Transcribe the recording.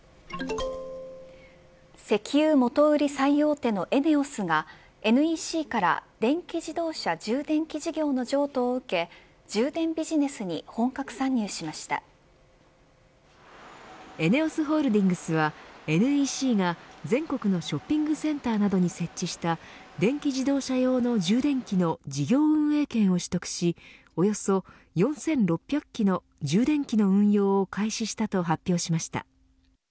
石油元売り最大手のＥＮＥＯＳがＮＥＣから電気自動車充電器事業の譲渡を受け充電ビジネスにＥＮＥＯＳホールディングスはＮＥＣが全国のショッピングセンターなどに設置した電気自動車用の充電器の事業運営権を取得しおよそ４６００基の充電器の運用を開始したと発表しました。